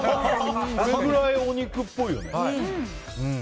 それくらいお肉っぽいよね。